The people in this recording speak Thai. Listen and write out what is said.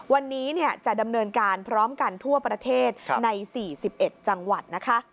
วันนี้จะดำเนินการพร้อมกันทั่วประเทศใน๔๑จังหวัดนะคะ